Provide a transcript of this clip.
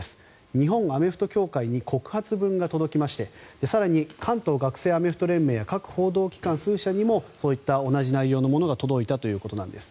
日本アメフト協会に告発文が届きまして更に、関東学生アメフト連盟や各報道機関数社にもそういった同じ内容のものが届いたということなんです。